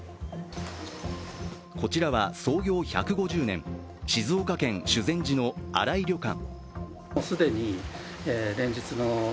こちらは創業１５０年、静岡県修善寺の新井旅館。